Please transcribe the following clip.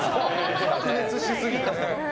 白熱しすぎてね。